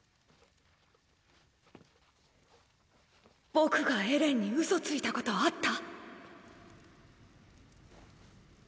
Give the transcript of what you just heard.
僕がエレンにウソついたことあった？